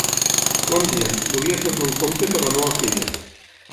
Bon dia, volia fer-me un compte per la meva filla.